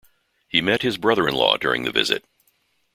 He met his brother-in-law during the visit.